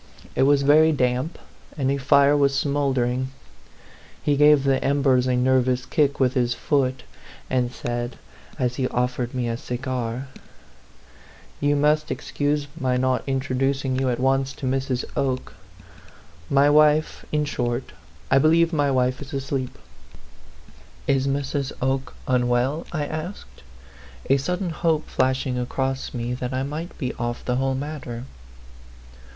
It was very damp, and a fire was smouldering. He gave the embers a nervous kick with his foot, and said, as he offered me a cigar " You must excuse my not introducing you at once to Mrs. Oke. My wife in short, I believe my wife is asleep." " Is Mrs. Oke unwell ?" I asked, a sudden hope flashing across me that I might be off the whole matter.